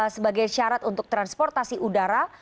sebagai syarat untuk transportasi udara